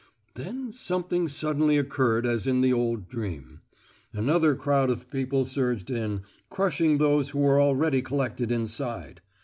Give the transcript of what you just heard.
Then something suddenly occurred as in the old dream. Another crowd of people surged in, crushing those who were already collected inside.